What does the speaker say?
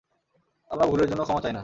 আমরা ভুলের জন্য ক্ষমা চাই না।